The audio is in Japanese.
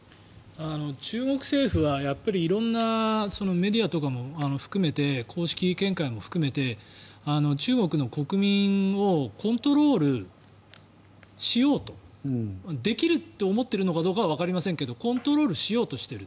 中国政府は色んなメディアとかも含めて公式見解も含めて中国の国民をコントロールしようと。できるって思っているのかどうかはわかりませんけどコントロールしようとしている。